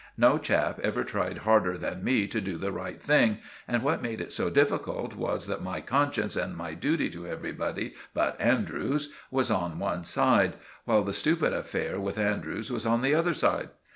No chap ever tried harder than me to do the right thing, and what made it so difficult was that my conscience and my duty to everybody but Andrews was on one side, while the stupid affair with Andrews was on the other side.